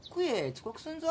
遅刻すんぞ。